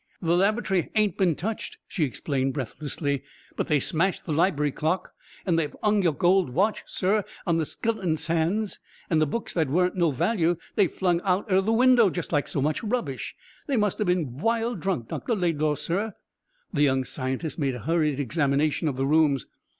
"The labatry ain't been touched," she explained, breathlessly, "but they smashed the libry clock and they've 'ung your gold watch, sir, on the skelinton's hands. And the books that weren't no value they flung out er the window just like so much rubbish. They must have been wild drunk, Dr. Laidlaw, sir!" The young scientist made a hurried examination of the rooms.